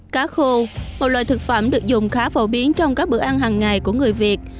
cá khô một loại thực phẩm được dùng khá phổ biến trong các bữa ăn hằng ngày của người việt